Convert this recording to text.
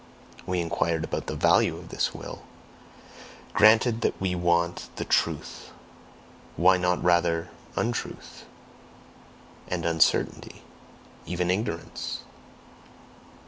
We inquired about the VALUE of this Will. Granted that we want the truth: WHY NOT RATHER untruth? And uncertainty? Even ignorance?